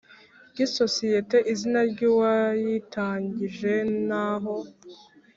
ry isosiyeti izina ry uwayitangije n aho